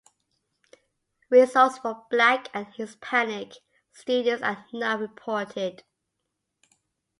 Results for Black and Hispanic students are not reported.